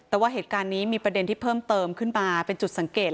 แต่ว่าเหตุการณ์นี้มีประเด็นที่เพิ่มเติมขึ้นมาเป็นจุดสังเกต